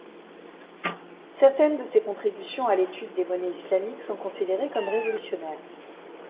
Certaines de ses contributions à l'étude des monnaies islamiques sont considérées comme révolutionnaires.